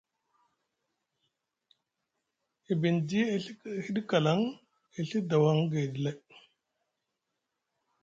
E bindi e hiɗi kaalaŋ, e Ɵi dawaŋ gayɗi lay.